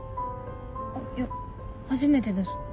いや初めてです。